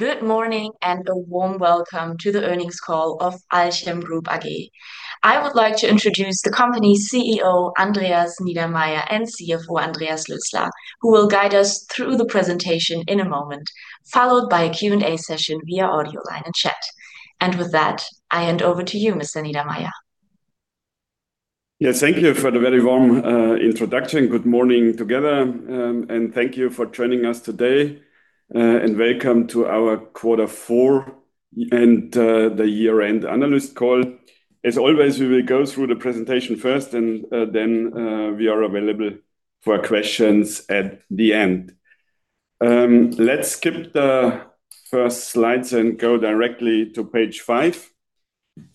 Good morning, and a warm welcome to the earnings call of AlzChem Group AG. I would like to introduce the company's CEO, Andreas Niedermaier, and CFO, Andreas Lösler, who will guide us through the presentation in a moment, followed by a Q&A session via audio line and chat. With that, I hand over to you, Mr. Niedermaier. Yeah, thank you for the very warm introduction. Good morning together, thank you for joining us today. Welcome to our Quarter Four and the year-end analyst call. As always, we will go through the presentation first, we are available for questions at the end. Let's skip the first slides and go directly to page five.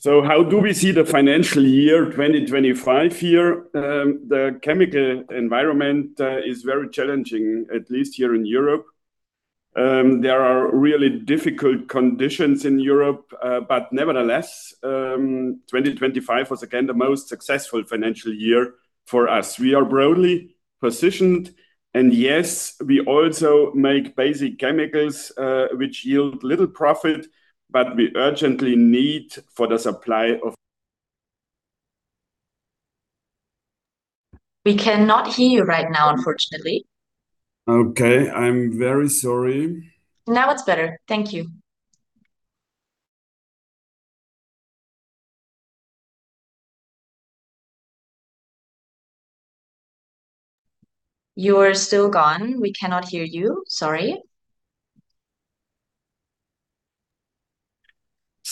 How do we see the financial year 2025? The chemical environment is very challenging, at least here in Europe. There are really difficult conditions in Europe, nevertheless, 2025 was again, the most successful financial year for us. We are broadly positioned, yes, we also make basic chemicals, which yield little profit, but we urgently need for the supply of. We cannot hear you right now, unfortunately. Okay. I'm very sorry. Now it's better. Thank you. You're still gone. We cannot hear you. Sorry.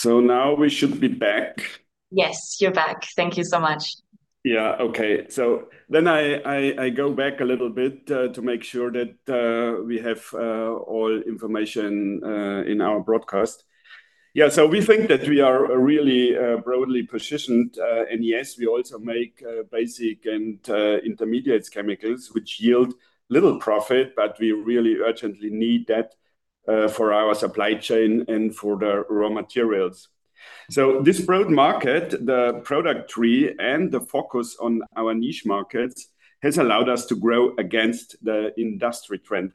Now we should be back. Yes, you're back. Thank you so much. Okay. I go back a little bit to make sure that we have all information in our broadcast. We think that we are really broadly positioned, and yes, we also make basic and intermediate chemicals, which yield little profit, but we really urgently need that for our supply chain and for the raw materials. This broad market, the product tree and the focus on our niche markets, has allowed us to grow against the industry trend.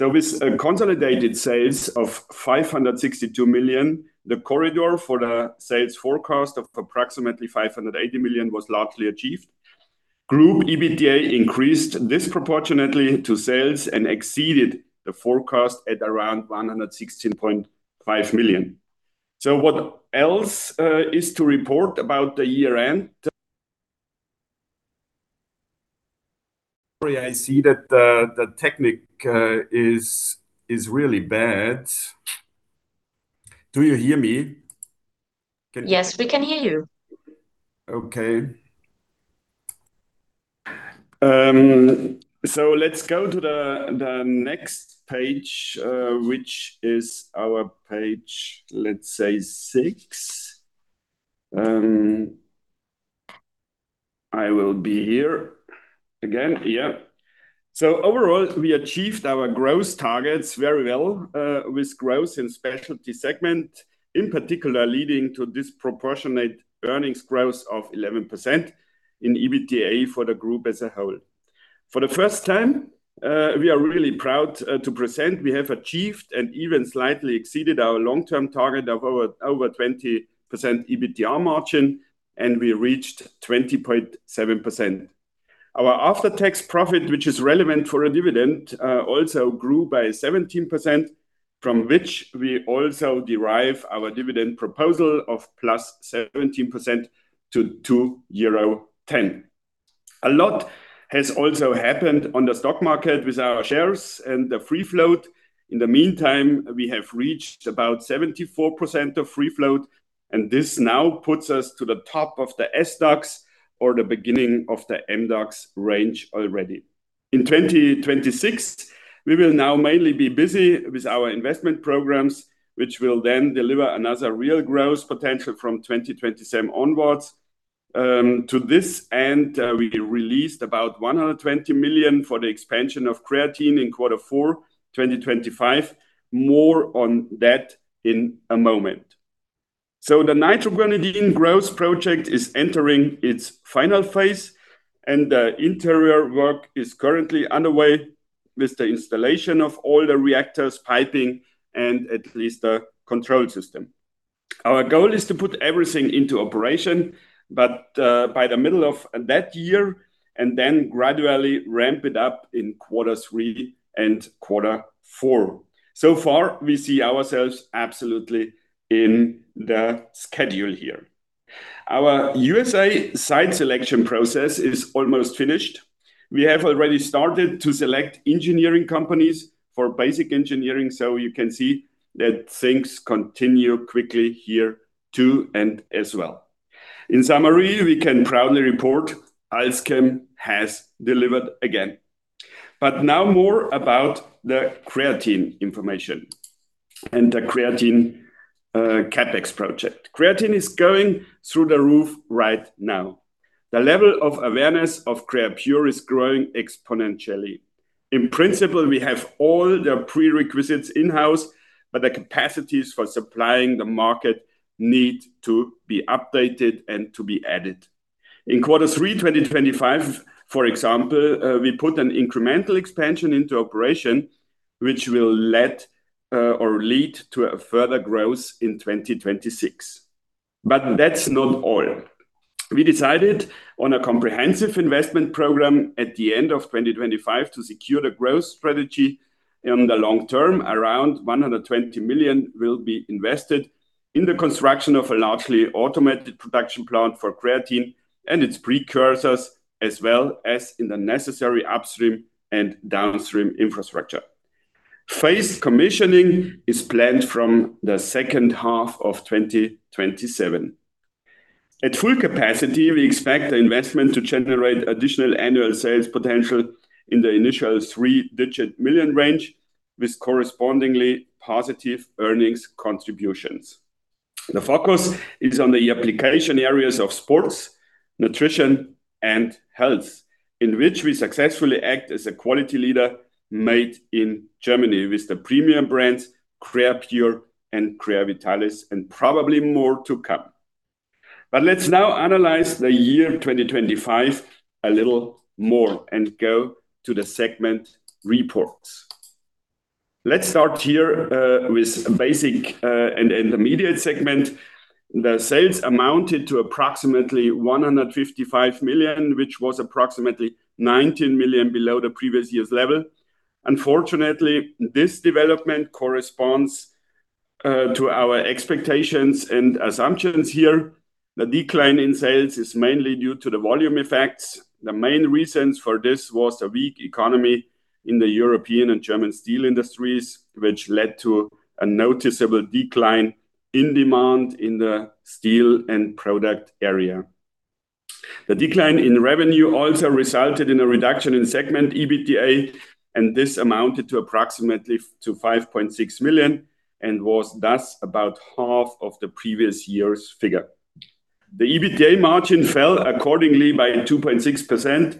With consolidated sales of 562 million, the corridor for the sales forecast of approximately 580 million was largely achieved. Group EBITDA increased disproportionately to sales and exceeded the forecast at around 116.5 million. What else is to report about the year end? Sorry, I see that the technique is really bad. Do you hear me? Yes, we can hear you. Okay. Let's go to the next page, which is our page, let's say, six. I will be here again. Overall, we achieved our growth targets very well, with growth in specialty segment, in particular, leading to disproportionate earnings growth of 11% in EBITDA for the group as a whole. For the first time, we are really proud to present, we have achieved and even slightly exceeded our long-term target of over 20% EBITDA margin, and we reached 20.7%. Our after-tax profit, which is relevant for a dividend, also grew by 17%, from which we also derive our dividend proposal of +17% to 2.10 euro. A lot has also happened on the stock market with our shares and the free float. In the meantime, we have reached about 74% of free float, and this now puts us to the top of the S stocks or the beginning of the M stocks range already. In 2026, we will now mainly be busy with our investment programs, which will then deliver another real growth potential from 2027 onwards. To this end, we released about 120 million for the expansion of creatine in quarter four, 2025. More on that in a moment. The nitroguanidine growth project is entering its final phase, and the interior work is currently underway with the installation of all the reactors, piping, and at least the control system. Our goal is to put everything into operation, but by the middle of that year, and then gradually ramp it up in quarter three and quarter four. So far, we see ourselves absolutely in the schedule here. Our USA site selection process is almost finished. We have already started to select engineering companies for basic engineering, you can see that things continue quickly here, too, and as well. In summary, we can proudly report AlzChem has delivered again. Now more about the creatine information and the creatine CapEx project. Creatine is going through the roof right now. The level of awareness of Creapure is growing exponentially. In principle, we have all the prerequisites in-house, the capacities for supplying the market need to be updated and to be added. In Q3 2025, for example, we put an incremental expansion into operation, which will lead to a further growth in 2026. That's not all. We decided on a comprehensive investment program at the end of 2025 to secure the growth strategy in the long term. Around 120 million will be invested in the construction of a largely automated production plant for creatine and its precursors, as well as in the necessary upstream and downstream infrastructure. Phased commissioning is planned from the second half of 2027. At full capacity, we expect the investment to generate additional annual sales potential in the initial three-digit million range, with correspondingly positive earnings contributions. The focus is on the application areas of sports, nutrition, and health, in which we successfully act as a quality leader made in Germany with the premium brands, Creapure and Creavitalis, and probably more to come. Let's now analyze the year 2025 a little more and go to the segment reports. Let's start here with basic and intermediate segment. The sales amounted to approximately 155 million, which was approximately 19 million below the previous year's level. Unfortunately, this development corresponds to our expectations and assumptions here. The decline in sales is mainly due to the volume effects. The main reasons for this was a weak economy in the European and German steel industries, which led to a noticeable decline in demand in the steel and product area. The decline in revenue also resulted in a reduction in segment EBITDA, and this amounted to approximately 5.6 million, and was thus about half of the previous year's figure. The EBITDA margin fell accordingly by 2.6 percent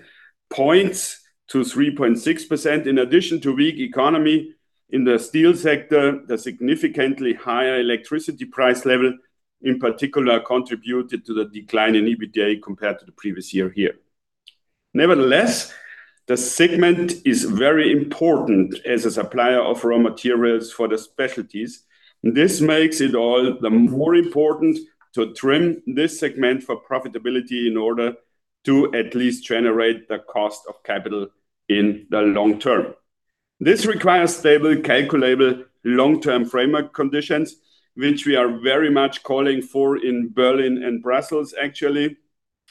points to 3.6%. In addition to weak economy in the steel sector, the significantly higher electricity price level, in particular, contributed to the decline in EBITDA compared to the previous year here. Nevertheless, the segment is very important as a supplier of raw materials for the specialties. This makes it all the more important to trim this segment for profitability in order to at least generate the cost of capital in the long term. This requires stable, calculable, long-term framework conditions, which we are very much calling for in Berlin and Brussels, actually.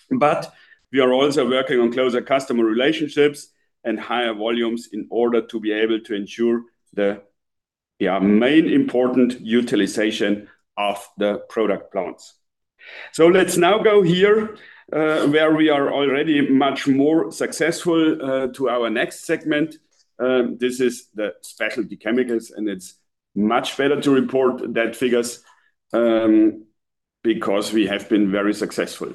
We are also working on closer customer relationships and higher volumes in order to be able to ensure the, our main important utilization of the product plants. Let's now go here, where we are already much more successful, to our next segment. This is the specialty chemicals, it's much better to report that figures because we have been very successful.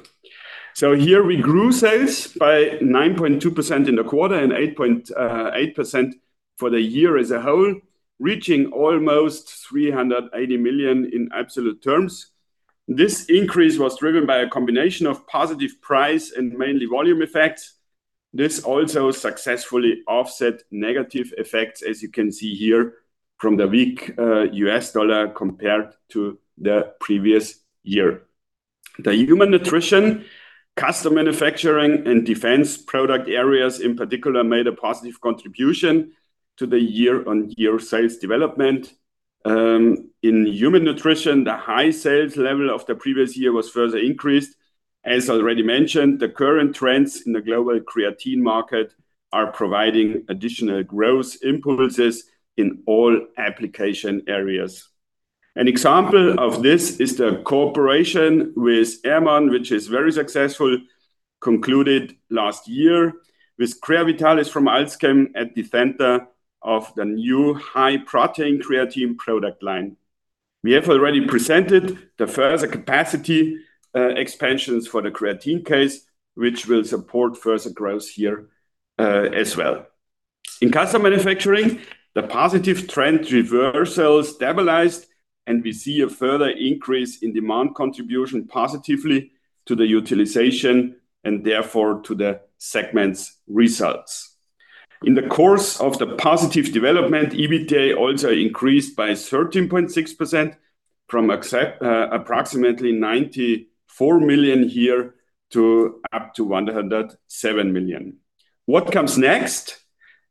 Here we grew sales by 9.2% in the quarter and 8.8% for the year as a whole, reaching almost 380 million in absolute terms. This increase was driven by a combination of positive price and mainly volume effects. This also successfully offset negative effects, as you can see here, from the weak US dollar compared to the previous year. The human nutrition, custom manufacturing, and defense product areas, in particular, made a positive contribution to the year-on-year sales development. In human nutrition, the high sales level of the previous year was further increased. As already mentioned, the current trends in the global creatine market are providing additional growth impulses in all application areas. An example of this is the cooperation with Ehrmann, which is very successful, concluded last year with Creavitalis from AlzChem at the center of the new high-protein creatine product line. We have already presented the further capacity expansions for the creatine case, which will support further growth here as well. In custom manufacturing, the positive trend reversal stabilized, and we see a further increase in demand contribution positively to the utilization, and therefore to the segment's results. In the course of the positive development, EBITDA also increased by 13.6%, from approximately 94 million here to up to 107 million. What comes next?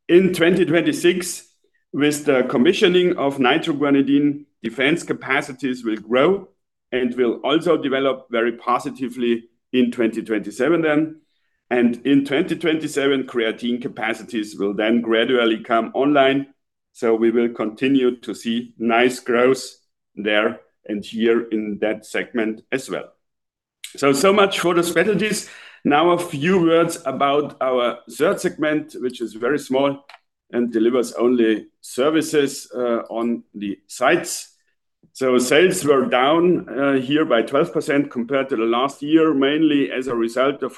In 2026, with the commissioning of Nitroguanidine, defense capacities will grow and will also develop very positively in 2027 then. In 2027, creatine capacities will then gradually come online, so we will continue to see nice growth there and here in that segment as well. So much for the specialties. Now, a few words about our third segment, which is very small and delivers only services on the sites. Sales were down here by 12% compared to the last year, mainly as a result of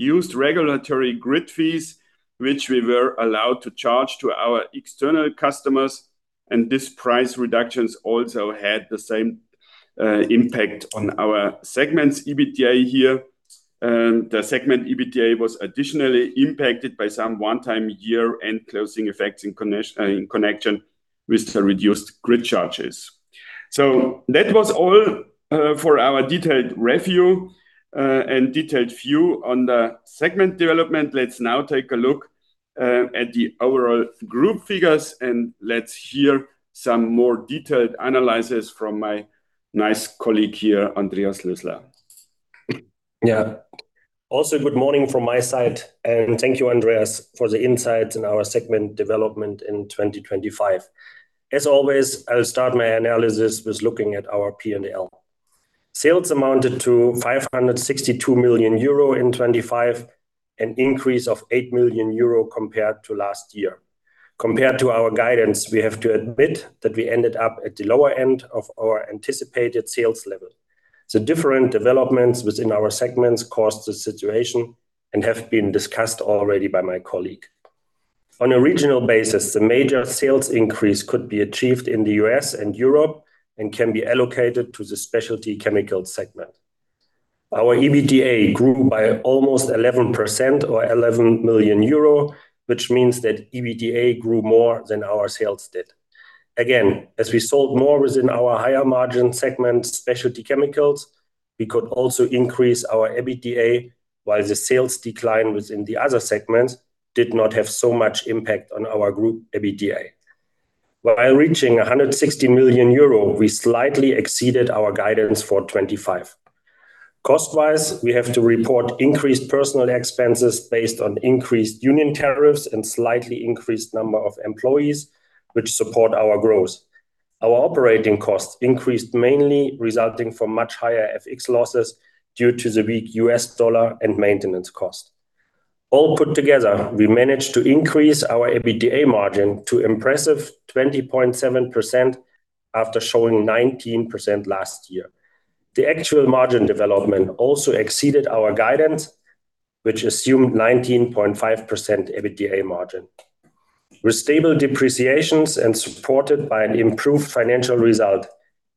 reduced regulatory grid fees, which we were allowed to charge to our external customers. This price reductions also had the same impact on our segments EBITDA here. The segment EBITDA was additionally impacted by some one-time year-end closing effects in connection with the reduced grid charges. That was all for our detailed review and detailed view on the segment development. Let's now take a look at the overall group figures. Let's hear some more detailed analysis from my nice colleague here, Andreas Lösler. Good morning from my side, and thank you, Andreas, for the insights in our segment development in 2025. As always, I'll start my analysis with looking at our P&L. Sales amounted to 562 million euro in 2025, an increase of 8 million euro compared to last year. Compared to our guidance, we have to admit that we ended up at the lower end of our anticipated sales level. The different developments within our segments caused the situation and have been discussed already by my colleague. On a regional basis, the major sales increase could be achieved in the U.S. and Europe and can be allocated to the specialty chemical segment. Our EBITDA grew by almost 11% or 11 million euro, which means that EBITDA grew more than our sales did. Again, as we sold more within our higher margin segment, specialty chemicals, we could also increase our EBITDA, while the sales decline within the other segments did not have so much impact on our group EBITDA. While reaching 160 million euro, we slightly exceeded our guidance for 2025. Cost-wise, we have to report increased personal expenses based on increased union tariffs and slightly increased number of employees, which support our growth. Our operating costs increased mainly resulting from much higher FX losses due to the weak US dollar and maintenance cost. All put together, we managed to increase our EBITDA margin to impressive 20.7% after showing 19% last year. The actual margin development also exceeded our guidance, which assumed 19.5% EBITDA margin. With stable depreciations and supported by an improved financial result,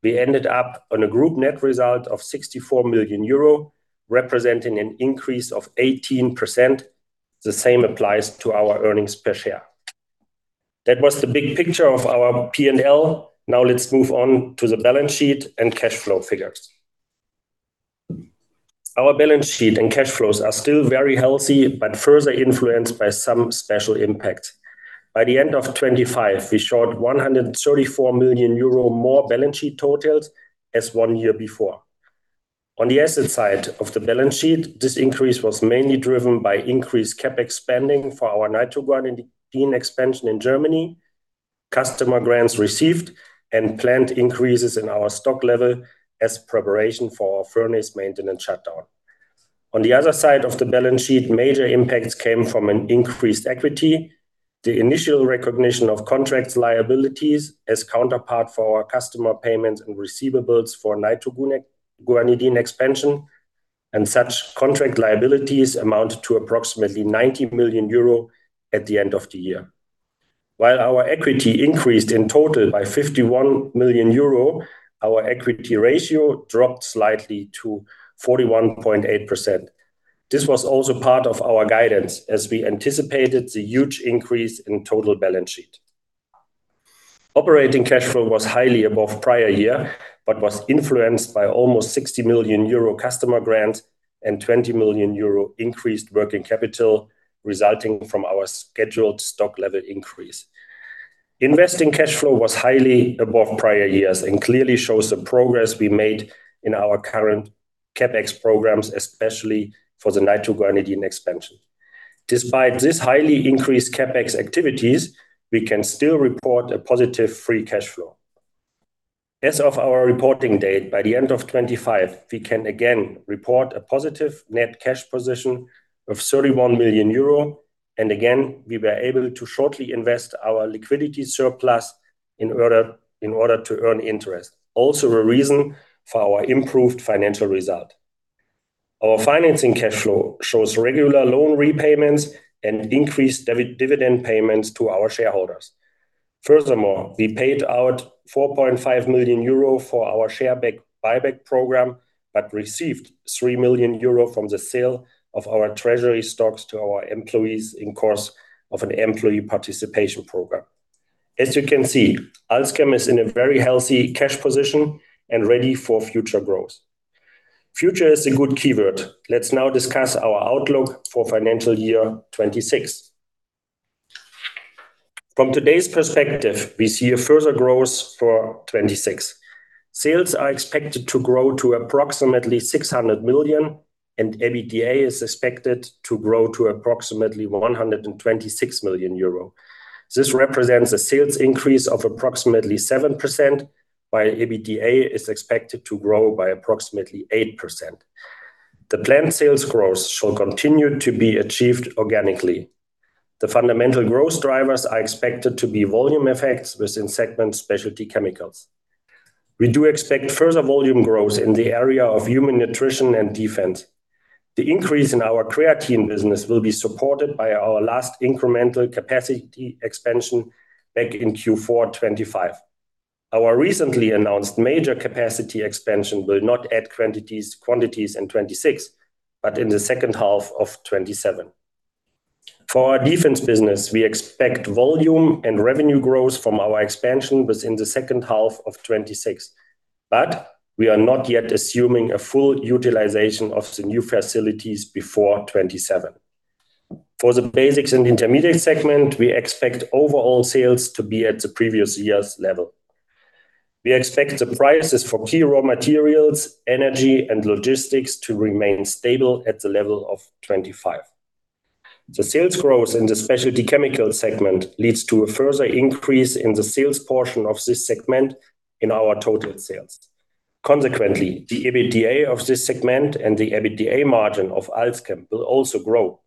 we ended up on a group net result of 64 million euro, representing an increase of 18%. The same applies to our earnings per share. That was the big picture of our P&L. Now let's move on to the balance sheet and cash flow figures. Our balance sheet and cash flows are still very healthy, but further influenced by some special impact. By the end of 2025, we showed 134 million euro more balance sheet totals as one year before. On the asset side of the balance sheet, this increase was mainly driven by increased CapEx spending for our Nitroguanidine expansion in Germany, customer grants received, and planned increases in our stock level as preparation for our furnace maintenance shutdown. On the other side of the balance sheet, major impacts came from an increased equity, the initial recognition of contract liabilities as counterpart for our customer payments and receivables for Nitroguanidine expansion. Such contract liabilities amounted to approximately 90 million euro at the end of the year. While our equity increased in total by 51 million euro, our equity ratio dropped slightly to 41.8%. This was also part of our guidance, as we anticipated the huge increase in total balance sheet. Operating cash flow was highly above prior year, was influenced by almost 60 million euro customer grants and 20 million euro increased working capital, resulting from our scheduled stock level increase. Investing cash flow was highly above prior years, clearly shows the progress we made in our current CapEx programs, especially for the Nitroguanidine expansion. Despite this highly increased CapEx activities, we can still report a positive free cash flow. As of our reporting date, by the end of 2025, we can again report a positive net cash position of 31 million euro, and again, we were able to shortly invest our liquidity surplus in order to earn interest. A reason for our improved financial result. Our financing cash flow shows regular loan repayments and increased dividend payments to our shareholders. We paid out 4.5 million euro for our share buyback program, but received 3 million euro from the sale of our treasury stocks to our employees in course of an employee participation program. As you can see, AlzChem is in a very healthy cash position and ready for future growth. Future is a good keyword. Let's now discuss our outlook for financial year 2026. From today's perspective, we see a further growth for 2026. Sales are expected to grow to approximately 600 million, and EBITDA is expected to grow to approximately 126 million euro. This represents a sales increase of approximately 7%, while EBITDA is expected to grow by approximately 8%. The planned sales growth shall continue to be achieved organically. The fundamental growth drivers are expected to be volume effects within segment specialty chemicals. We do expect further volume growth in the area of human nutrition and defense. The increase in our creatine business will be supported by our last incremental capacity expansion back in Q4 2025. Our recently announced major capacity expansion will not add quantities in 2026, but in the second half of 2027. For our defense business, we expect volume and revenue growth from our expansion within the second half of 2026, but we are not yet assuming a full utilization of the new facilities before 2027. For the basics and intermediate segment, we expect overall sales to be at the previous year's level. We expect the prices for key raw materials, energy, and logistics to remain stable at the level of 2025. The sales growth in the specialty chemical segment leads to a further increase in the sales portion of this segment in our total sales. Consequently, the EBITDA of this segment and the EBITDA margin of AlzChem will also grow.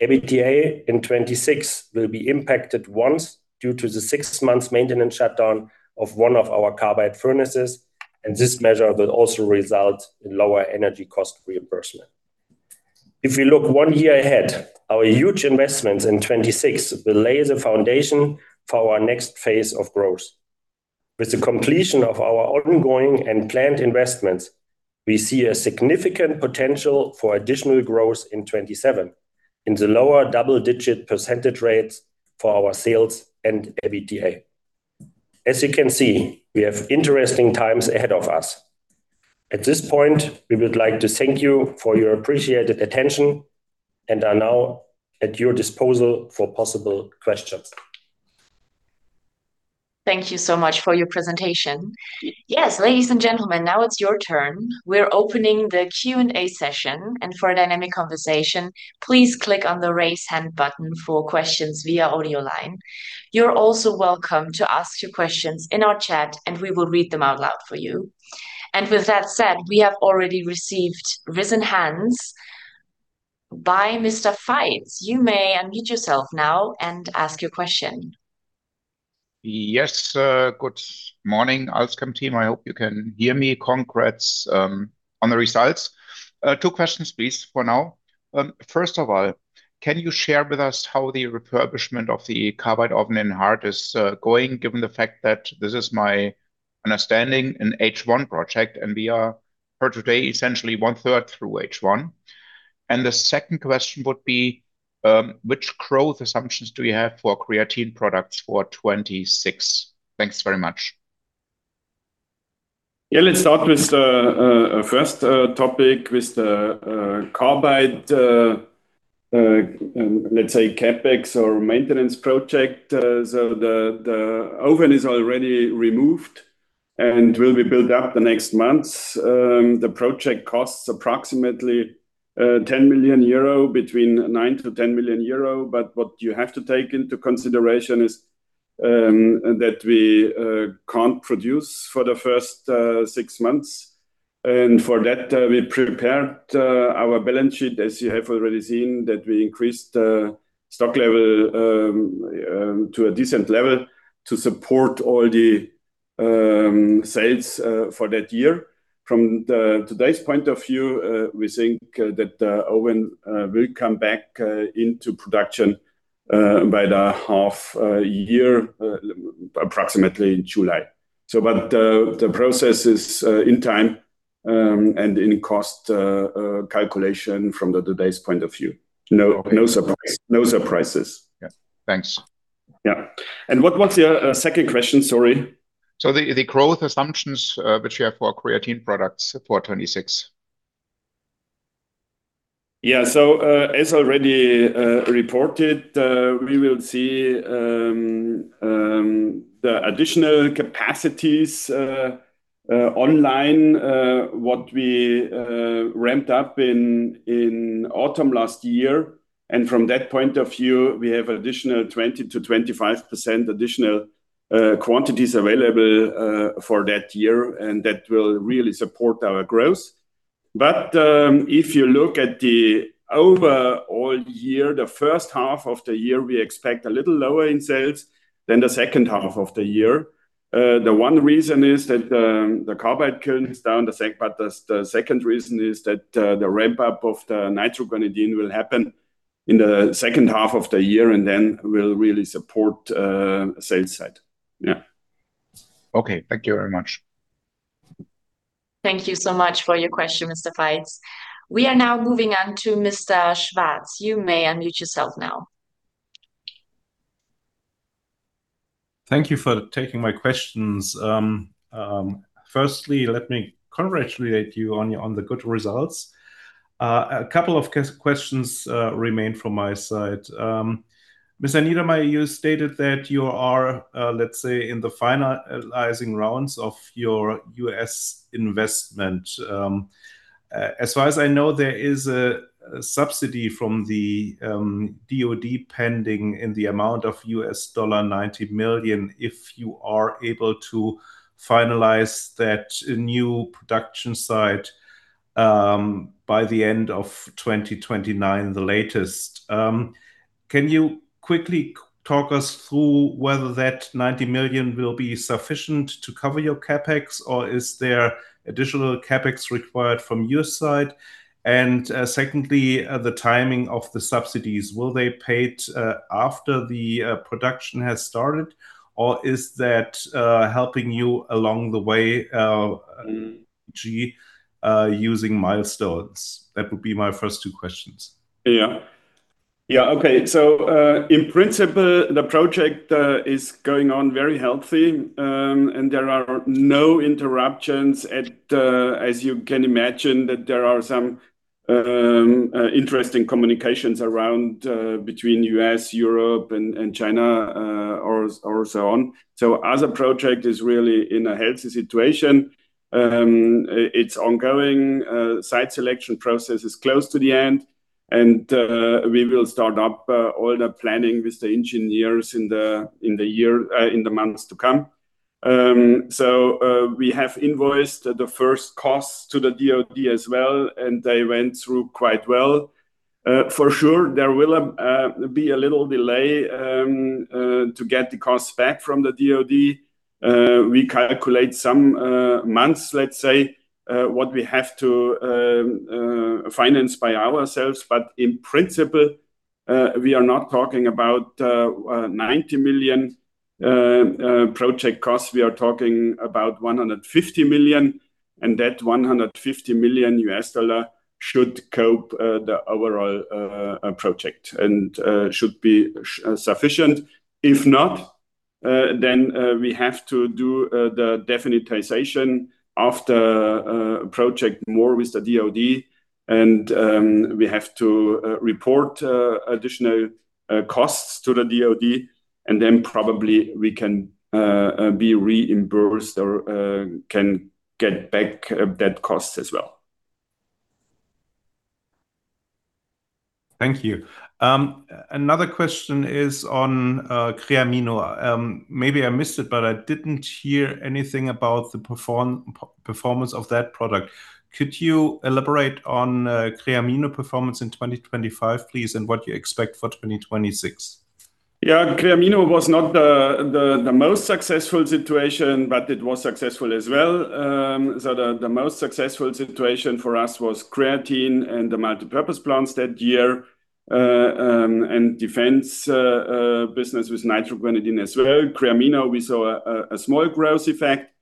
EBITDA in 2026 will be impacted once due to the six months maintenance shutdown of one of our carbide furnaces, and this measure will also result in lower energy cost reimbursement. If we look one year ahead, our huge investments in 2026 will lay the foundation for our next phase of growth. With the completion of our ongoing and planned investments, we see a significant potential for additional growth in 2027, in the lower double-digit percentage rates for our sales and EBITDA. As you can see, we have interesting times ahead of us. At this point, we would like to thank you for your appreciated attention, and are now at your disposal for possible questions. Thank you so much for your presentation. Yes, ladies and gentlemen, now it's your turn. We're opening the Q&A session, and for a dynamic conversation, please click on the Raise Hand button for questions via audio line. You're also welcome to ask your questions in our chat, and we will read them out loud for you. With that said, we have already received risen hands. By Mr. Faitz, you may unmute yourself now and ask your question. Yes, good morning, AlzChem team. I hope you can hear me. Congrats on the results. Two questions please, for now. First of all, can you share with us how the refurbishment of the carbide oven in Hart is going, given the fact that this is my understanding in H1 project, and we are for today, essentially one third through H1? The second question would be, which growth assumptions do you have for creatine products for 26? Thanks very much. Let's start with the first topic with the carbide, let's say CapEx or maintenance project. The oven is already removed and will be built up the next months. The project costs approximately 10 million euro, between 9 million-10 million euro. What you have to take into consideration is that we can't produce for the first six months. For that, we prepared our balance sheet, as you have already seen, that we increased the stock level to a decent level to support all the sales for that year. From the today's point of view, we think that the oven will come back into production by the half year, approximately in July. The process is, in time, and in cost, calculation from the today's point of view. Okay. No, no surprises. No surprises. Yeah. Thanks. Yeah. What was your second question? Sorry. The growth assumptions, which you have for creatine products for 2026. As already reported, we will see the additional capacities online what we ramped up in autumn last year. From that point of view, we have additional 20%-25% additional quantities available for that year, and that will really support our growth. If you look at the overall year, the first half of the year, we expect a little lower in sales than the second half of the year. The one reason is that the carbide kiln is down. The second reason is that the ramp up of the Nitroguanidine will happen in the second half of the year, then will really support sales side. Okay. Thank you very much. Thank you so much for your question, Mr. Faitz. We are now moving on to Mr. Schwarz. You may unmute yourself now. Thank you for taking my questions. Firstly, let me congratulate you on the good results. A couple of questions remain from my side. Mr. Niedermaier, you stated that you are, let's say, in the finalizing rounds of your U.S. investment. As far as I know, there is a subsidy from the DOD pending in the amount of $90 million, if you are able to finalize that new production site by the end of 2029, the latest. Can you quickly talk us through whether that $90 million will be sufficient to cover your CapEx, or is there additional CapEx required from your side? Secondly, the timing of the subsidies, will they paid after the production has started, or is that helping you along the way, using milestones? That would be my first two questions. Yeah. Yeah, okay. In principle, the project is going on very healthy, and there are no interruptions at, as you can imagine, that there are some interesting communications around between U.S., Europe, and China, or so on. As a project is really in a healthy situation. It's ongoing. Site selection process is close to the end, and we will start up all the planning with the engineers in the months to come. We have invoiced the first costs to the DoD as well, and they went through quite well. For sure, there will be a little delay to get the costs back from the DoD. We calculate some months, let's say, what we have to finance by ourselves. In principle, we are not talking about $90 million project costs, we are talking about $150 million. That $150 million should cope the overall project and should be sufficient. If not, we have to do the definitization after project more with the DoD. We have to report additional costs to the DoD, then probably we can be reimbursed or can get back that cost as well. Thank you. Another question is on Creamino. Maybe I missed it, but I didn't hear anything about the performance of that product. Could you elaborate on Creamino performance in 2025, please, and what you expect for 2026? Yeah. Creamino was not the most successful situation, but it was successful as well. The most successful situation for us was creatine and the multipurpose plants that year, and defense business with Nitroguanidine as well. Creamino, we saw a small growth effect.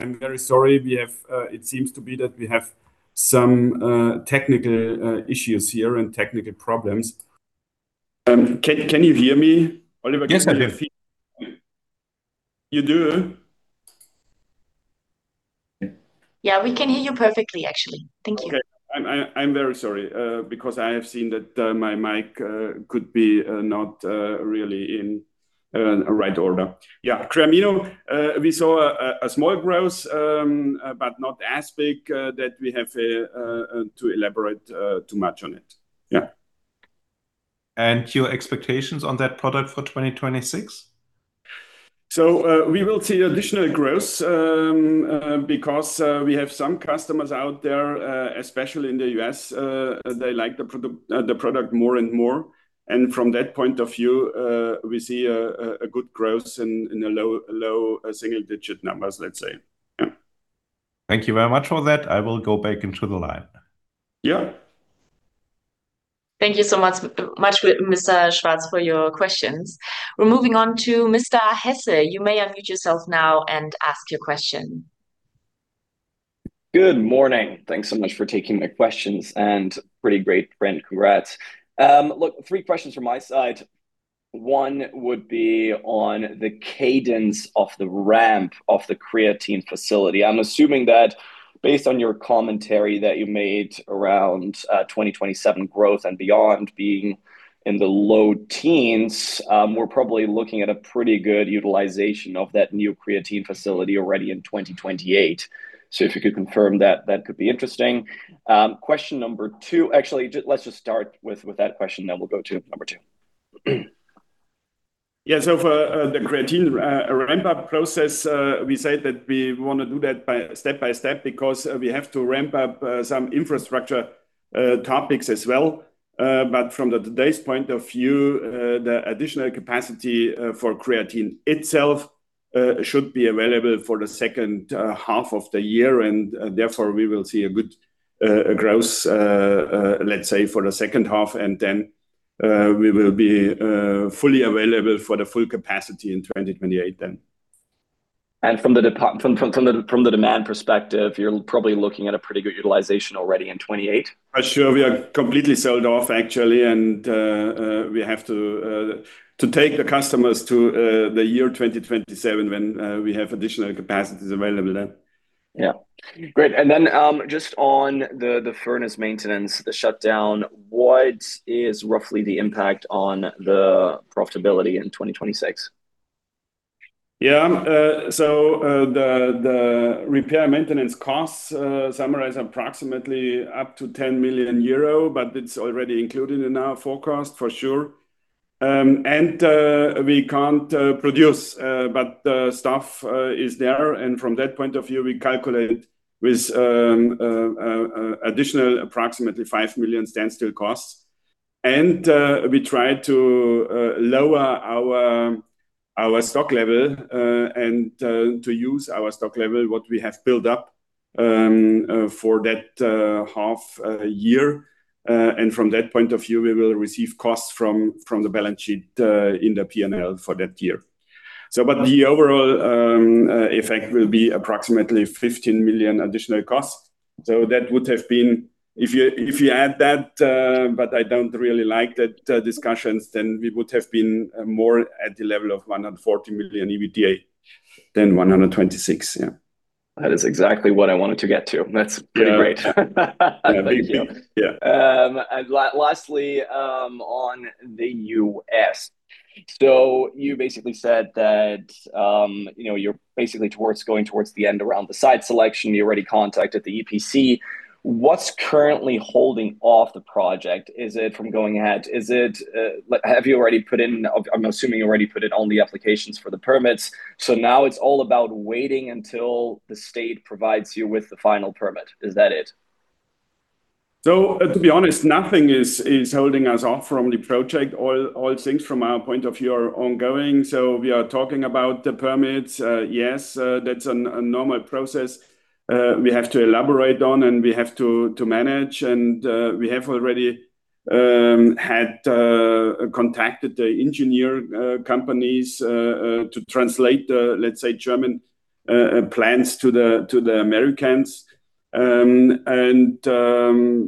I'm very sorry. We have, it seems to be that we have some technical issues here and technical problems. Can you hear me, Oliver? Yes, I can hear you. You do? Yeah, we can hear you perfectly, actually. Thank you. Okay. I'm very sorry, because I have seen that my mic could be not really in right order. Creamino, we saw a small growth, but not as big that we have to elaborate too much on it. Your expectations on that product for 2026? We will see additional growth because we have some customers out there, especially in the US, they like the product more and more. From that point of view, we see a good growth in the low single-digit numbers, let's say. Thank you very much for that. I will go back into the line. Yeah. Thank you so much, Mr. Schwarz, for your questions. We're moving on to Mr. Hesse. You may unmute yourself now and ask your question. Good morning. Thanks so much for taking my questions. Pretty great brand. Congrats. Look, three questions from my side. One would be on the cadence of the ramp of the creatine facility. I'm assuming that based on your commentary that you made around 2027 growth and beyond being in the low teens, we're probably looking at a pretty good utilization of that new creatine facility already in 2028. If you could confirm that could be interesting. Question number two. Actually, let's just start with that question, then we'll go to number two. For the creatine ramp-up process, we said that we want to do that by step by step because we have to ramp up some infrastructure topics as well. From the today's point of view, the additional capacity for creatine itself should be available for the second half of the year, and therefore, we will see a good growth, let's say, for the second half, and then we will be fully available for the full capacity in 2028 then. From the demand perspective, you're probably looking at a pretty good utilization already in 2028? Sure. We are completely sold off, actually, and we have to take the customers to the year 2027 when we have additional capacities available then. Yeah. Great. Then, just on the furnace maintenance, the shutdown, what is roughly the impact on the profitability in 2026? Yeah. So, the repair and maintenance costs summarize approximately up to 10 million euro, but it's already included in our forecast for sure. We can't produce, but the staff is there, and from that point of view, we calculate with additional approximately 5 million standstill costs. We try to lower our stock level, and to use our stock level, what we have built up for that half year. From that point of view, we will receive costs from the balance sheet in the P&L for that year. But the overall effect will be approximately 15 million additional costs. That would have been. If you add that, but I don't really like that, discussions, then we would have been, more at the level of 140 million EBITDA. Than 126. Yeah. That is exactly what I wanted to get to. That's pretty great. Yeah. Thank you. Yeah. Lastly, on the U.S., you basically said that, you know, you're basically towards going towards the end around the site selection. You already contacted the EPC. What's currently holding off the project? Is it from going ahead? Is it like have you already put in... I'm assuming you already put in all the applications for the permits, so now it's all about waiting until the state provides you with the final permit. Is that it? To be honest, nothing is holding us off from the project. All things from our point of view are ongoing, we are talking about the permits. Yes, that's a normal process we have to elaborate on, and we have to manage. We have already had contacted the engineer companies to translate the, let's say, German plans to the Americans.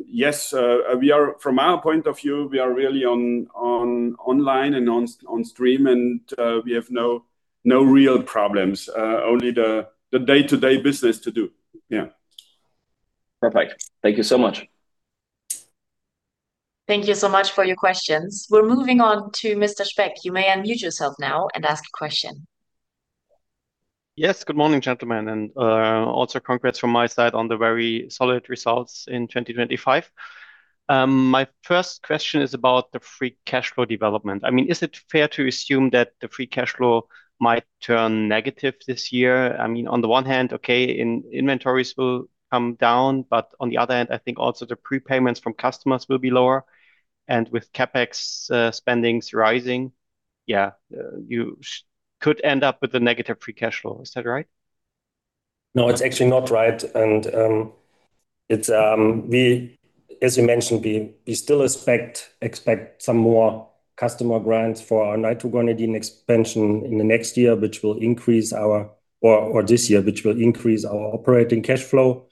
Yes, from our point of view, we are really on online and on stream, and we have no real problems, only the day-to-day business to do. Yeah. Perfect. Thank you so much. Thank you so much for your questions. We're moving on to Mr. Speck. You may unmute yourself now and ask a question. Yes. Good morning, gentlemen, also congrats from my side on the very solid results in 2025. My first question is about the free cash flow development. I mean, is it fair to assume that the free cash flow might turn negative this year? I mean, on the one hand, okay, in inventories will come down, but on the other hand, I think also the prepayments from customers will be lower, and with CapEx spendings rising, yeah, you could end up with a negative free cash flow. Is that right? No, it's actually not right. It's as you mentioned, we still expect some more customer grants for our Nitroguanidine expansion in the next year, which will increase or this year, which will increase our operating cash flow.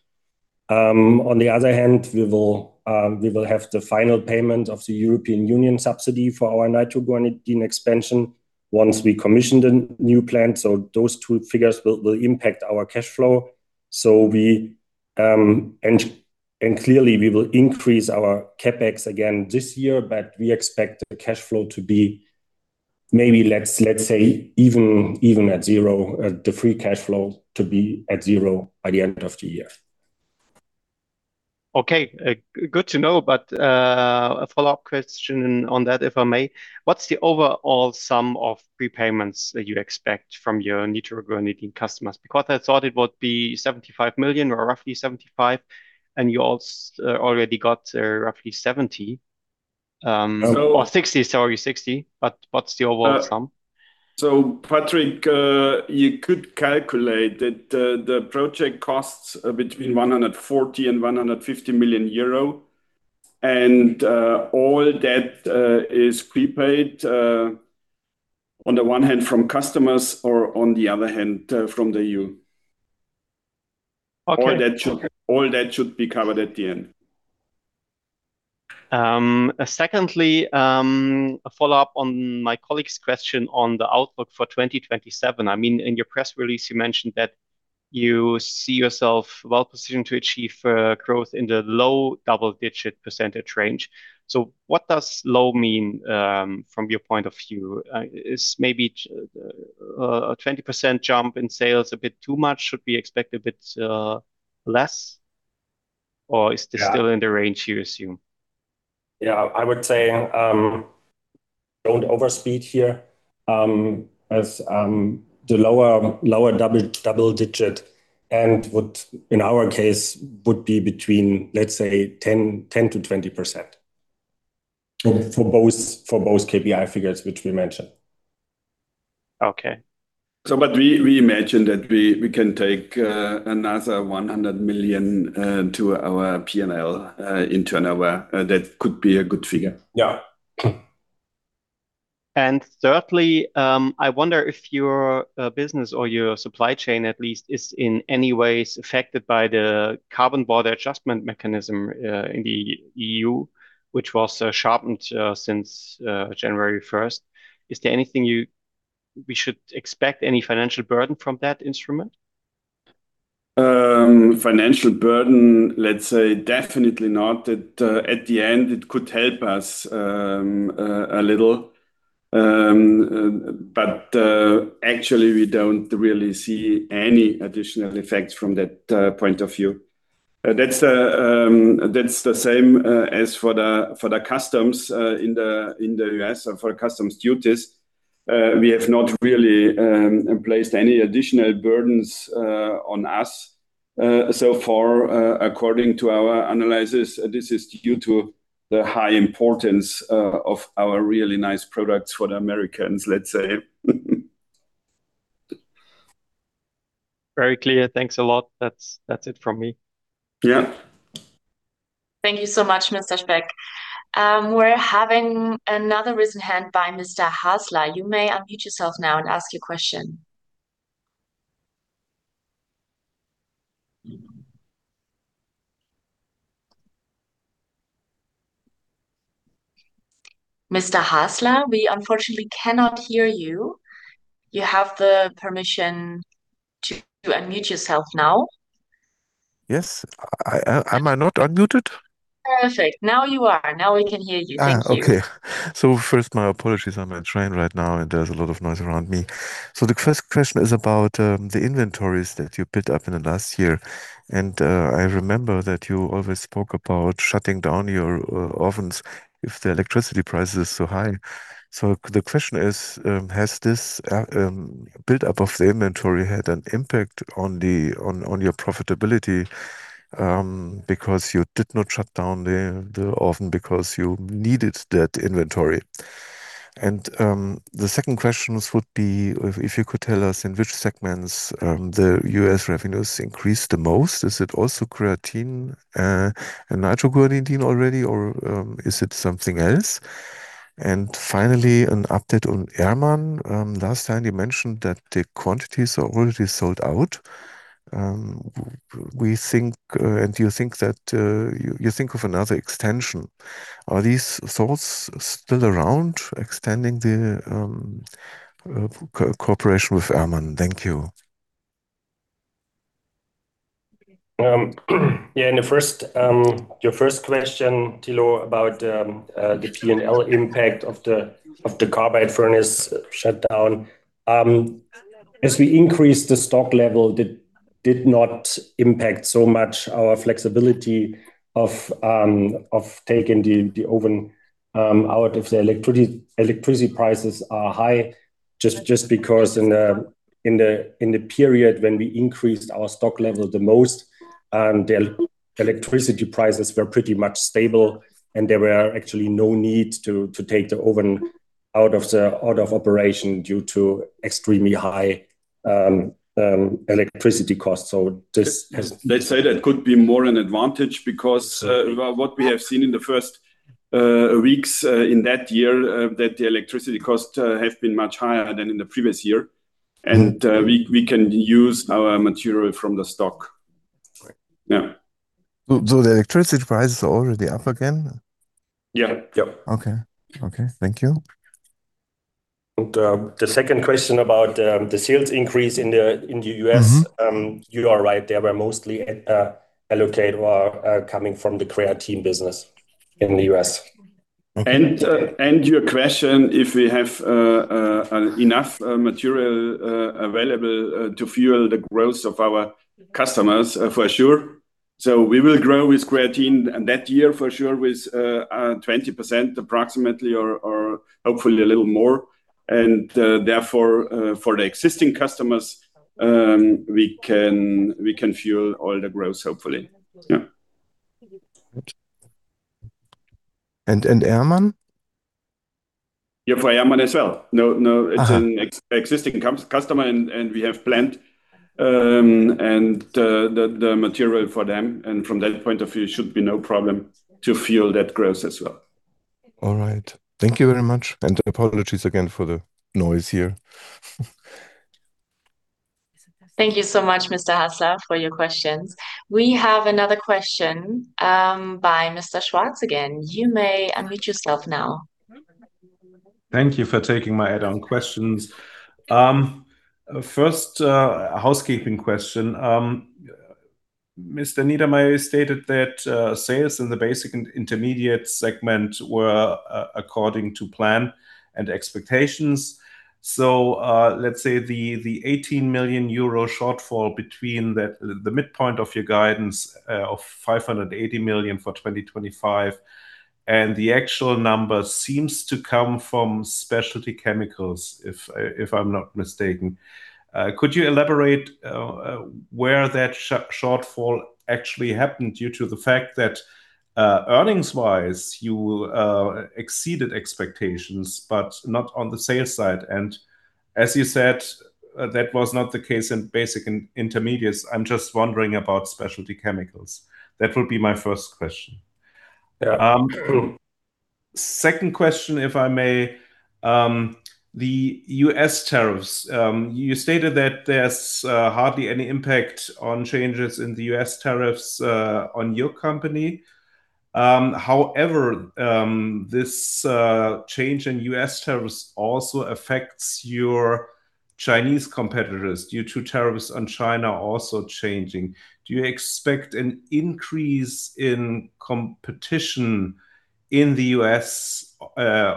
On the other hand, we will have the final payment of the European Union subsidy for our Nitroguanidine expansion once we commission the new plant. Those two figures will impact our cash flow. We, and clearly, we will increase our CapEx again this year, but we expect the cash flow to be maybe, let's say, even at zero, the free cash flow to be at zero by the end of the year. Okay, good to know, a follow-up question on that, if I may? What's the overall sum of prepayments that you expect from your nitroguanidine customers? I thought it would be 75 million, or roughly 75 million, and you already got, roughly 70 million. So. Or 60, sorry, 60, but what's the overall sum? Patrick, you could calculate that the project costs between 140 million-150 million euro. All that is prepaid on the one hand, from customers, or on the other hand, from the EU. Okay. All that should. Okay. All that should be covered at the end. Secondly, a follow-up on my colleague's question on the outlook for 2027. I mean, in your press release, you mentioned that you see yourself well-positioned to achieve growth in the low double-digit % range. What does low mean from your point of view? Is maybe a 20% jump in sales a bit too much? Should we expect a bit less, or is this? Yeah Still in the range you assume? Yeah. I would say, don't overspeed here, as, the lower double digit, and would, in our case, would be between, let's say, 10% to 20%. Okay. For both KPI figures, which we mentioned. Okay. We imagine that we can take another 100 million to our P&L in turnover. That could be a good figure. Yeah. Thirdly, I wonder if your business or your supply chain at least is in any ways affected by the Carbon Border Adjustment Mechanism in the EU, which was sharpened since January 1st. Is there anything we should expect any financial burden from that instrument? Financial burden, let's say definitely not. That at the end, it could help us a little. Actually, we don't really see any additional effects from that point of view. That's the same as for the customs in the U.S. for customs duties. We have not really placed any additional burdens on us. So far, according to our analysis, this is due to the high importance of our really nice products for the Americans, let's say. Very clear. Thanks a lot. That's it from me. Yeah. Thank you so much, Mr. Speck. We're having another risen hand by Mr. Hasler. You may unmute yourself now and ask your question. Mr. Hasler, we unfortunately cannot hear you. You have the permission to unmute yourself now. Yes. Am I not unmuted? Perfect. Now you are. Now we can hear you. Thank you. Okay. First, my apologies. I'm on a train right now, and there's a lot of noise around me. The first question is about the inventories that you built up in the last year, and I remember that you always spoke about shutting down your ovens if the electricity price is so high. The question is, has this buildup of the inventory had an impact on your profitability because you did not shut down the oven because you needed that inventory? The second questions would be if you could tell us in which segments the U.S. revenues increased the most. Is it also creatine and nitro creatine already, or is it something else? Finally, an update on Ehrmann. Last time you mentioned that the quantities are already sold out. We think, and you think that you think of another extension. Are these thoughts still around, extending the cooperation with Ehrmann? Thank you. Yeah, in the first, your first question, Thilo, about the P&L impact of the carbide furnace shutdown. As we increased the stock level, that did not impact so much our flexibility of taking the oven out if the electricity prices are high, just because in the period when we increased our stock level the most, the electricity prices were pretty much stable, and there were actually no need to take the oven out of operation due to extremely high electricity costs. This has. Let's say that could be more an advantage because what we have seen in the first weeks in that year, that the electricity cost have been much higher than in the previous year. Mm-hmm. We can use our material from the stock. Great. Yeah. The electricity prices are already up again? Yeah. Yep. Okay. Okay, thank you. The second question about the sales increase in the US. Mm-hmm. You are right. They were mostly, allocate or, coming from the creatine business in the U.S. Okay. Your question, if we have enough material available to fuel the growth of our customers for sure. We will grow with creatine in that year for sure, with 20% approximately, or hopefully a little more. Therefore, for the existing customers, we can fuel all the growth, hopefully. Ehrmann? Yeah, for Ehrmann as well. No. Uh-huh. It's an existing customer, and we have planned the material for them, and from that point of view, it should be no problem to fuel that growth as well. All right. Thank you very much, and apologies again for the noise here. Thank you so much, Mr. Hasler, for your questions. We have another question by Mr. Schwarz again. You may unmute yourself now. Thank you for taking my add-on questions. First, housekeeping question. Mr. Niedermaier stated that sales in the basic and intermediate segment were according to plan and expectations. Let's say the 18 million euro shortfall between the midpoint of your guidance of 580 million for 2025, and the actual number seems to come from specialty chemicals, if I'm not mistaken. Could you elaborate where that shortfall actually happened, due to the fact that earnings-wise, you exceeded expectations, but not on the sales side? As you said, that was not the case in basic and intermediates. I'm just wondering about specialty chemicals. That would be my first question. Yeah. Second question, if I may. The US tariffs. You stated that there's hardly any impact on changes in the US tariffs on your company. This change in US tariffs also affects your Chinese competitors, due to tariffs on China also changing. Do you expect an increase in competition in the US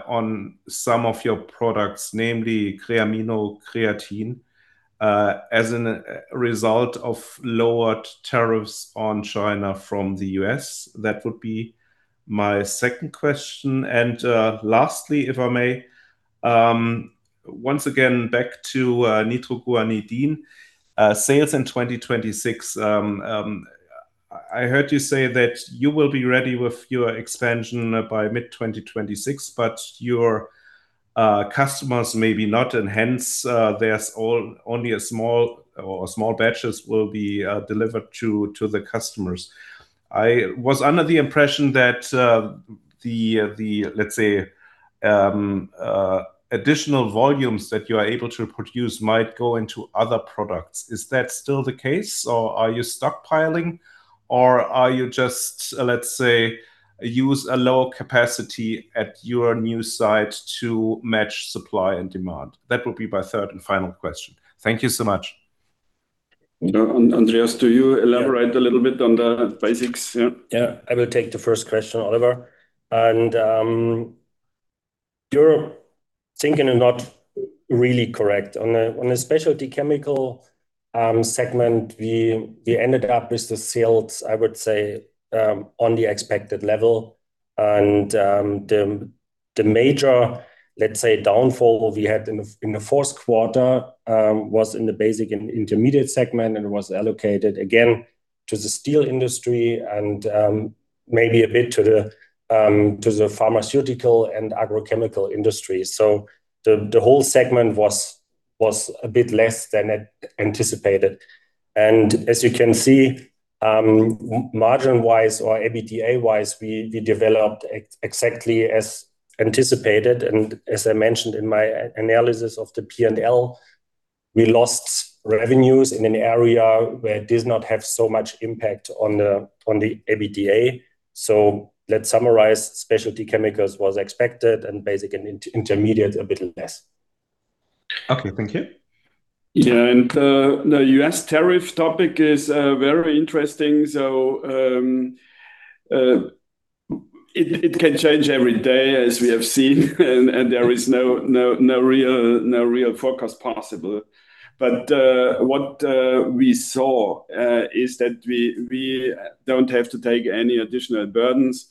on some of your products, namely Creamino creatine, as an result of lowered tariffs on China from the US? My second question, lastly, if I may, once again, back to Nitroguanidine sales in 2026. I heard you say that you will be ready with your expansion by mid-2026, but your customers may be not, hence, there's only a small or small batches will be delivered to the customers. I was under the impression that the let's say additional volumes that you are able to produce might go into other products. Is that still the case, or are you stockpiling, or are you just, let's say, use a lower capacity at your new site to match supply and demand? That will be my third and final question. Thank you so much. Andreas, do you elaborate? Yeah. A little bit on the basics? Yeah. Yeah, I will take the first question, Oliver. You're thinking and not really correct. On a specialty chemical segment, we ended up with the sales, I would say, on the expected level. The major, let's say, downfall we had in the fourth quarter was in the basic and intermediate segment, and was allocated again to the steel industry and maybe a bit to the pharmaceutical and agrochemical industry. The whole segment was a bit less than anticipated. As you can see, margin-wise or EBITDA-wise, we developed exactly as anticipated. As I mentioned in my analysis of the P&L, we lost revenues in an area where it does not have so much impact on the EBITDA. Let's summarize, specialty chemicals was expected, and basic and intermediate, a bit less. Okay. Thank you. The U.S. tariff topic is very interesting. It can change every day, as we have seen, and there is no real forecast possible. What we saw is that we don't have to take any additional burdens.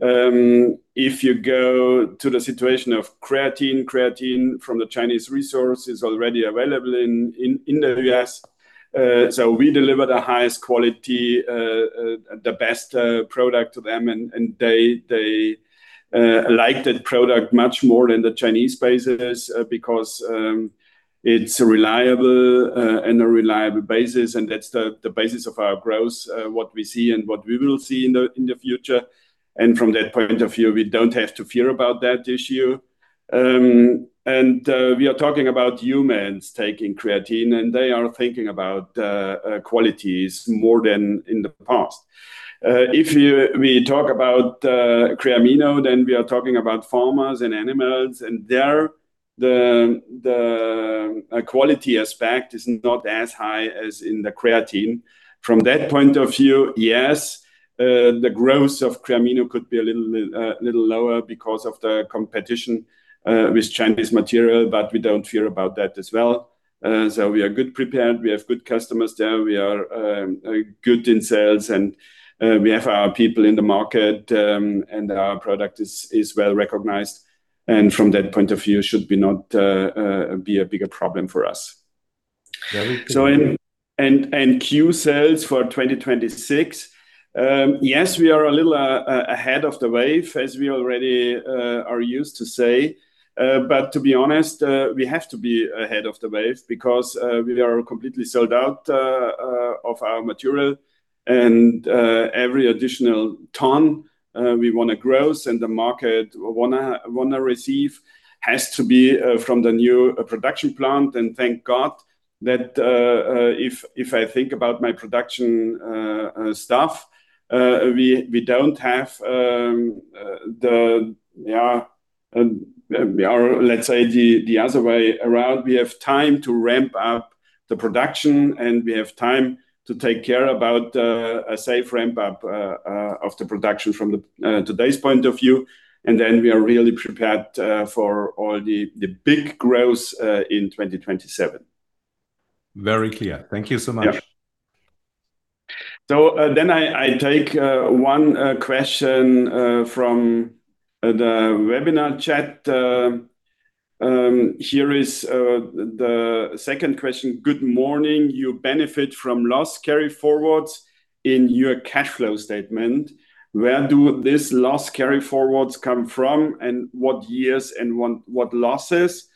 If you go to the situation of creatine from the Chinese resource is already available in the U.S. We deliver the highest quality, the best product to them, and they like that product much more than the Chinese bases, because it's reliable and a reliable basis, and that's the basis of our growth, what we see and what we will see in the future. From that point of view, we don't have to fear about that issue. We are talking about humans taking creatine, and they are thinking about qualities more than in the past. If we talk about Creamino, then we are talking about farmers and animals, and there, the quality aspect is not as high as in the creatine. From that point of view, yes, the growth of Creamino could be a little lower because of the competition with Chinese material, but we don't fear about that as well. We are good prepared. We have good customers there. We are good in sales, and we have our people in the market, and our product is well-recognized, and from that point of view, should be not be a bigger problem for us. Very clear. Q sales for 2026, yes, we are a little ahead of the wave, as we already are used to say. To be honest, we have to be ahead of the wave because we are completely sold out of our material, and every additional ton we want to grow and the market wanna receive, has to be from the new production plant. Thank God that if I think about my production staff, we are, let's say, the other way around. We have time to ramp up the production, and we have time to take care about a safe ramp up of the production from the today's point of view, and then we are really prepared for all the big growth in 2027. Very clear. Thank you so much. I take one question from the webinar chat. Here is the second question: "Good morning. You benefit from loss carryforwards in your cash flow statement. Where do this loss carryforwards come from, and what years, and what losses?"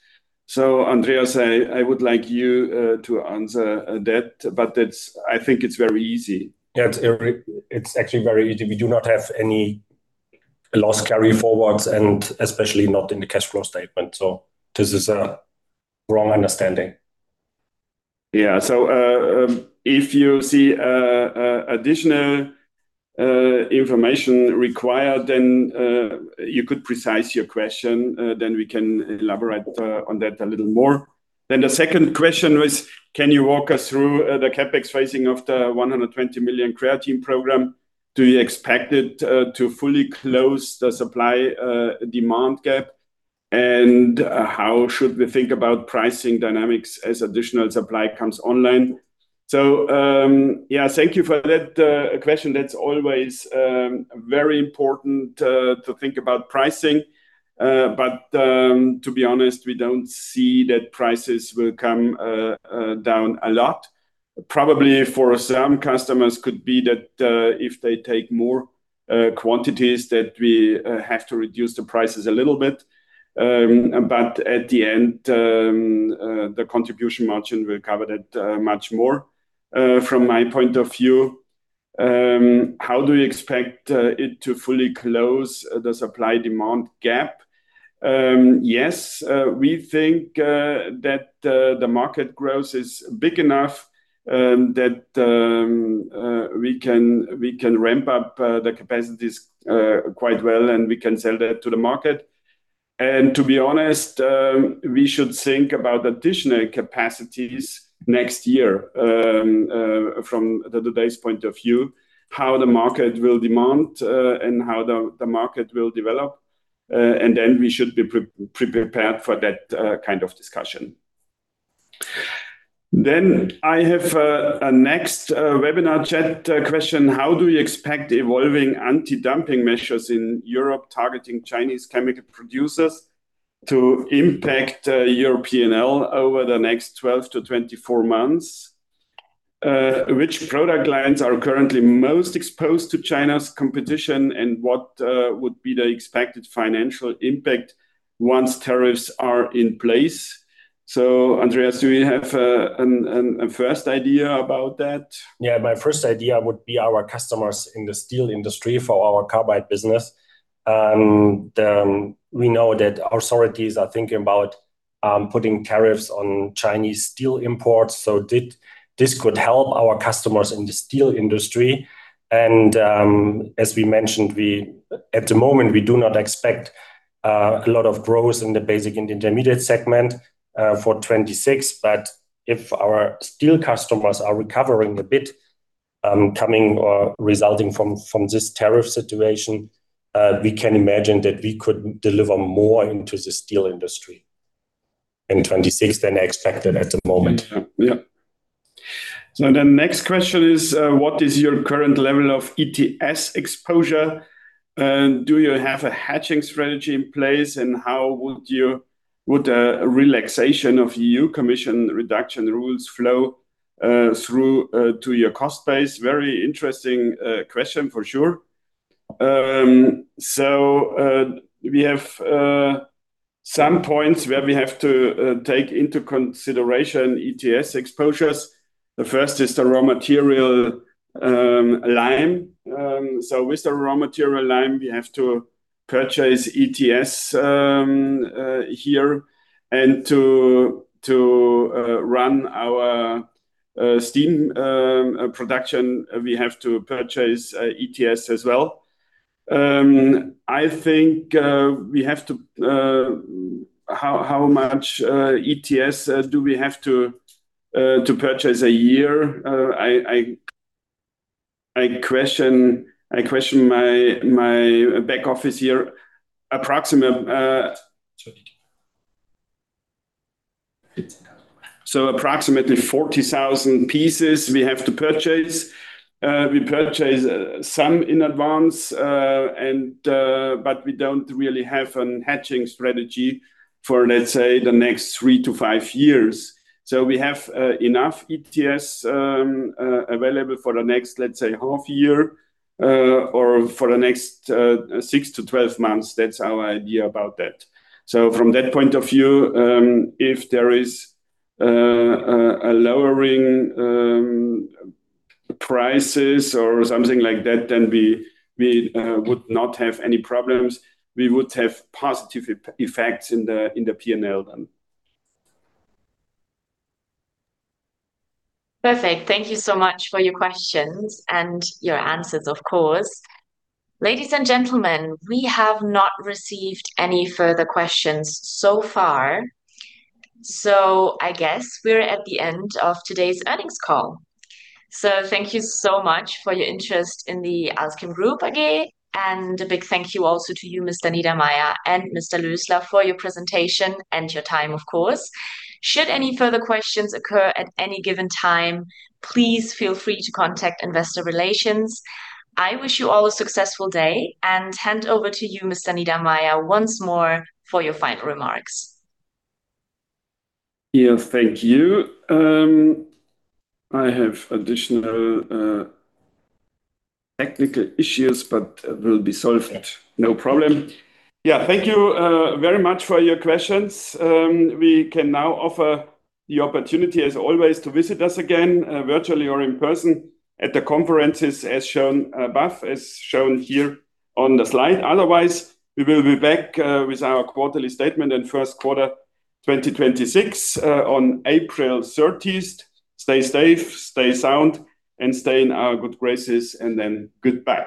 Andreas, I would like you to answer that, I think it's very easy. It's actually very easy. We do not have any loss carryforwards, and especially not in the cash flow statement. This is a wrong understanding. Yeah. If you see additional information required, then you could precise your question, then we can elaborate on that a little more. Then the second question was: "Can you walk us through the CapEx phasing of the 120 million creatine program? Do you expect it to fully close the supply demand gap?" How should we think about pricing dynamics as additional supply comes online? Yeah, thank you for that question. That's always very important to think about pricing. To be honest, we don't see that prices will come down a lot. Probably for some customers could be that, if they take more quantities, that we have to reduce the prices a little bit. At the end, the contribution margin will cover that much more. From my point of view, how do you expect it to fully close the supply-demand gap? Yes, we think that the market growth is big enough that we can ramp up the capacities quite well, and we can sell that to the market. To be honest, we should think about additional capacities next year from today's point of view, how the market will demand and how the market will develop, and then we should be prepared for that kind of discussion. I have a next webinar chat question: How do you expect evolving anti-dumping measures in Europe targeting Chinese chemical producers to impact your P&L over the next 12-24 months? Which product lines are currently most exposed to China's competition, and what would be the expected financial impact once tariffs are in place? Andreas, do you have a first idea about that? Yeah. My first idea would be our customers in the steel industry for our carbide business. We know that authorities are thinking about putting tariffs on Chinese steel imports. This could help our customers in the steel industry. As we mentioned, at the moment, we do not expect a lot of growth in the basic and intermediate segment for 2026. If our steel customers are recovering a bit, coming or resulting from this tariff situation, we can imagine that we could deliver more into the steel industry in 2026 than expected at the moment. yeah. The next question is, what is your current level of ETS exposure? Do you have a hedging strategy in place, and how would a relaxation of Chemicals Industry Action Plan flow through to your cost base? Very interesting question, for sure. We have some points where we have to take into consideration ETS exposures. The first is the raw material lime. With the raw material lime, we have to purchase ETS here, and to run our steam production, we have to purchase ETS as well. I think we have to... How much ETS do we have to purchase a year? I question my back office here. Approximately. Approximately 40,000 pieces we have to purchase. We purchase some in advance, and but we don't really have a hedging strategy for, let's say, the next three to five years. We have enough ETS available for the next, let's say, half year, or for the next six-12 months. That's our idea about that. From that point of view, if there is a lowering prices or something like that, then we would not have any problems. We would have positive effects in the, in the P&L then. Perfect. Thank you so much for your questions, and your answers, of course. Ladies and gentlemen, we have not received any further questions so far, I guess we're at the end of today's earnings call. Thank you so much for your interest in the AlzChem Group AG, and a big thank you also to you, Mr. Niedermaier and Mr. Lösler, for your presentation and your time, of course. Should any further questions occur at any given time, please feel free to contact Investor Relations. I wish you all a successful day, and hand over to you, Mr. Niedermeier, once more for your final remarks. Yeah, thank you. I have additional, technical issues, but will be solved. No problem. Thank you very much for your questions. We can now offer the opportunity, as always, to visit us again, virtually or in person at the conferences as shown above, as shown here on the slide. We will be back with our quarterly statement in first quarter 2026 on April 30th. Stay safe, stay sound, and stay in our good graces. Goodbye.